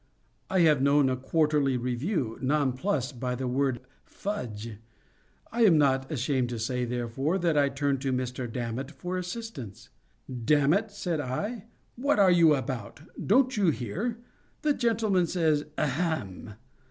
I have known a Quarterly Review non plussed by the word "Fudge!" I am not ashamed to say, therefore, that I turned to Mr. Dammit for assistance. "Dammit," said I, "what are you about? don't you hear?—the gentleman says 'ahem!